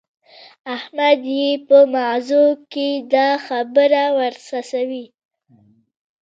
احمد يې په مغزو کې دا خبره ور څڅوي.